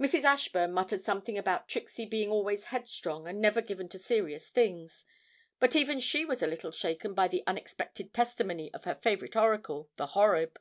Mrs. Ashburn muttered something about Trixie being always headstrong and never given to serious things, but even she was a little shaken by the unexpected testimony of her favourite oracle, the 'Horeb.'